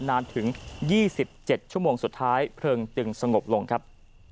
นานถึง๒๗ชั่วโมงสุดท้ายเพลิงจึงสงบลงครับ